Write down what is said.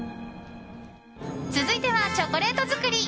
続いてはチョコレート作り。